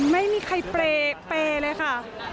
ไม่มีใครเปรย์เปรย์เลยค่ะ